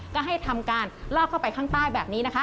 ก็ให้ทำการลอกเข้าไปข้างใต้แบบนี้นะคะ